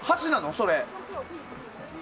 それ。